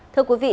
thưa quý vị